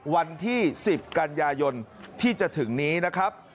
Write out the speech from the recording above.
วันที่๑๐กันยายนที่จะถึงนี้นะครับ